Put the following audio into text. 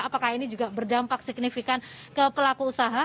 apakah ini juga berdampak signifikan ke pelaku usaha